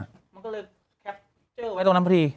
มันก็เลยแคปเจอร์ไว้ตรงนั้นพอดี